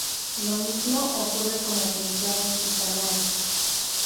Lo mismo ocurre con la atención hospitalaria.